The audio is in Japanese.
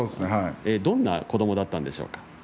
どんな子どもだったんですか。